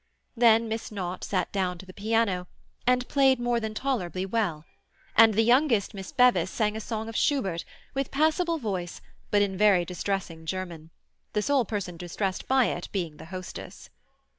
Then Miss Knott sat down to the piano, and played more than tolerably well; and the youngest Miss Bevis sang a song of Schubert, with passable voice but in very distressing German—the sole person distressed by it being the hostess.